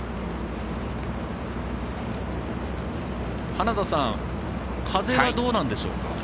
花田さん風はどうなんでしょうか？